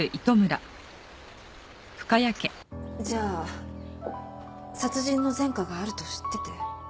じゃあ殺人の前科があると知ってて？